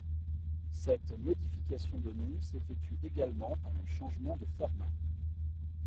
Cette modification de nom s'effectue également par un changement de format.